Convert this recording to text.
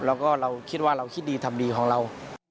แล้วก็เราคิดว่าเราคิดดีทำดีของเรา